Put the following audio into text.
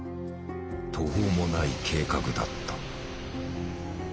途方もない計画だった。